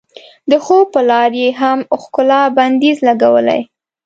د خوب په لار یې هم ښکلا بندیز لګولی.